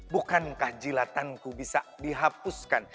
bukankah jilatanku bisa dihapuskan